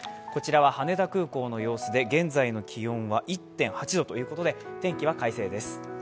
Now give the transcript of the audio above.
こちらは羽田空港の様子で現在の気温は１．８度ということで天気は快晴です。